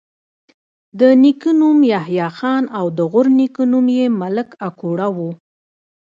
د نیکه نوم یحيی خان او د غورنیکه نوم یې ملک اکوړه وو